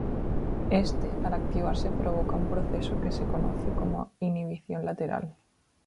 Éste al activarse provoca un proceso que se conoce como Inhibición lateral.